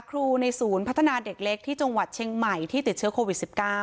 ครูในศูนย์พัฒนาเด็กเล็กที่จังหวัดเชียงใหม่ที่ติดเชื้อโควิด๑๙